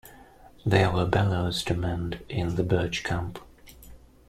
There were bellows to mend in the Birch camp.